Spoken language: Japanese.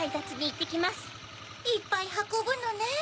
いっぱいはこぶのね。